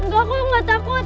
enggak kok gak takut